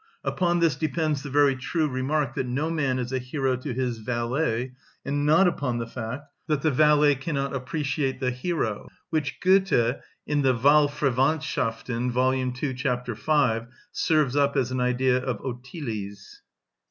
Upon this depends the very true remark, that no man is a hero to his valet, and not upon the fact that the valet cannot appreciate the hero; which Goethe, in the "Wahlverwandhschaften" (vol. ii. chap. 5), serves up as an idea of Ottilie's.